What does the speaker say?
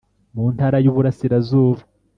mu Ntara y Uburasirazuba